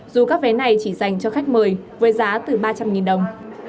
dù các vé này chỉ dành cho khách mời với giá từ ba trăm linh đồng